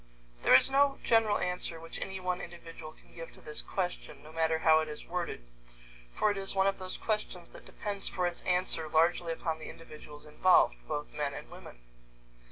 There is no general answer which any one individual can give to this question, no matter how it is worded, for it is one of those questions that depends for its answer largely upon the individuals involved, both men and women.